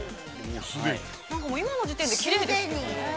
◆今の時点できれいですね。